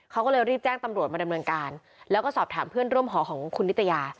เขาก็เลยรีบแจ้งตำรวจมาดำเนินการแล้วก็สอบถามเพื่อนร่วมหอของคุณนิตยา